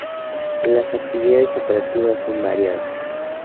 Las actividades operativas son variadas.